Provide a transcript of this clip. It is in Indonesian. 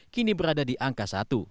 kini berada di angka satu